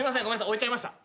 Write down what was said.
置いちゃいました。